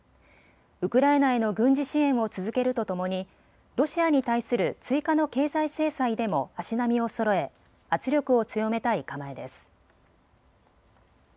ウクライナへの軍事支援を続けるとともにロシアに対する追加の経済制裁でも足並みをそろえ圧力を強めたい構えです。